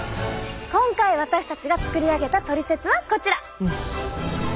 今回私たちが作り上げたトリセツはこちら。